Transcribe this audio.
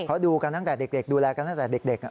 เขาดูกันตั้งแต่เด็กดูแลกันตั้งแต่เด็ก